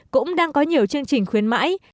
cũng đang có nhiều chương trình khuyến mãi